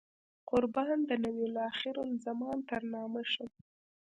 قربان د نبي اخر الزمان تر نامه شم.